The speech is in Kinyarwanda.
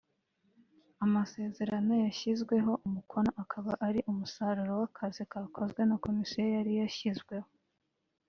amasezerano yashyizweho umukono akaba ari umusaruro w’akazi kakozwe na komisiyo yari yashyizweho